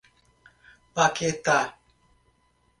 Paquetá